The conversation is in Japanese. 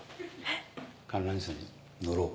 「観覧車に乗ろう」